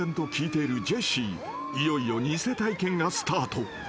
［いよいよ偽体験がスタート］